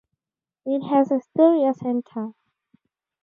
It has a stereocenter.